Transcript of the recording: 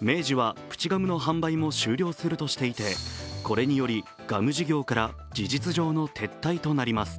明治はプチガムの販売も終了するとしていて、これにより、ガム事業から事実上の撤退となります。